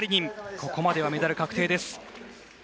ここまではメダル確定です。